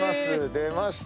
出ました。